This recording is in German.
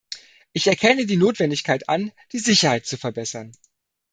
Ich erkenne die Notwendigkeit an, die Sicherheit zu verbessern.